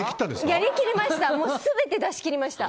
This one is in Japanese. やりきりました。